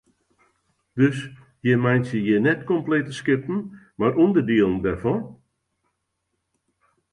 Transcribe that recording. Dus jim meitsje hjir net komplete skippen mar ûnderdielen dêrfan?